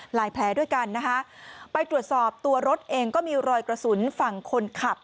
แผลด้วยกันนะคะไปตรวจสอบตัวรถเองก็มีรอยกระสุนฝั่งคนขับ